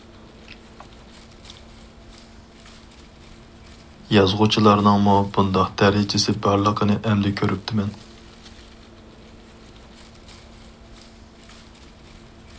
يازغۇچىلارنىڭمۇ بۇنداق دەرىجىسى بارلىقىنى ئەمدى كۆرۈپتىمەن.